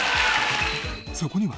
そこには